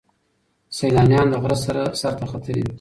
سیلانیان د غره سر ته ختلي دي.